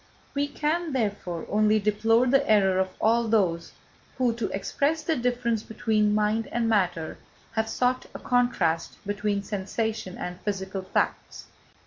We can, therefore, only deplore the error of all those who, to express the difference between mind and matter, have sought a contrast between sensation and physical facts.